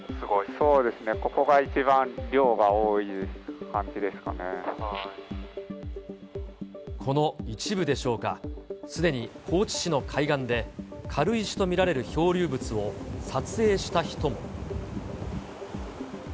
そうですね、ここが一番量がこの一部でしょうか、すでに高知市の海岸で、軽石と見られる漂流物を撮影した人も。